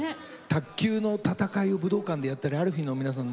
卓球の戦いを武道館でやったりＴＨＥＡＬＦＥＥの皆さん